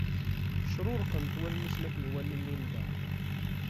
Cruṛqent wallen-is makken iwala Linda.